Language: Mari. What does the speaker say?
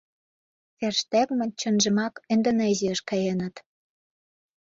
Ферштегмыт чынжымак Индонезийыш каеныт.